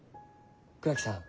倉木さん